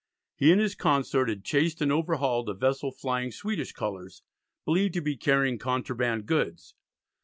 He and his consort had chased and overhauled a vessel flying Swedish colours, believed to be carrying contraband goods.